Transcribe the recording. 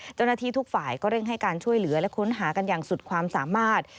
ทุกฝ่ายก็เร่งให้การช่วยเหลือและค้นหากันอย่างสุดความสามารถ